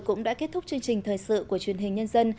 cũng đã kết thúc chương trình thời sự của truyền hình nhân dân